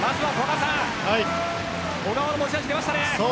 小川の持ち味出ましたね。